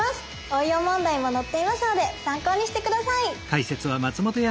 応用問題も載っていますので参考にして下さい！